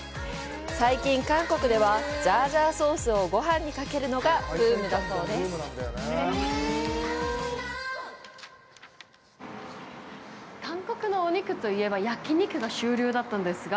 最近、韓国では、ジャージャーソースをごはんにかけるのがブームだそうです！えっ？